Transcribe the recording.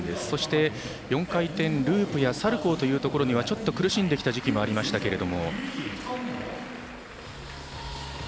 そして、４回転ループやサルコーという点ではちょっと苦しんできた時期もありましたが。